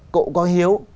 cậu có hiếu